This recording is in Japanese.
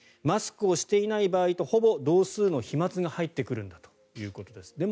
マスクをしていない場合とほぼ同数の飛まつが入ってくるということです。